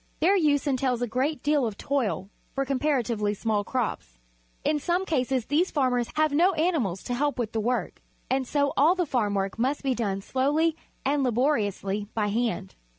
Their use entails a great deal of toil for comparatively small crops. In some cases these farmers have no animals lo help with the hea\ A' work, and so all the farm work must be done slowly and labor iously by hand.